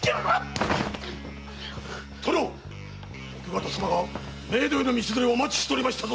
お方様が冥土への道連れをお待ちしておりましたぞ！